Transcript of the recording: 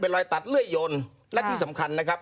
รอยตัดเลื่อยยนและที่สำคัญนะครับ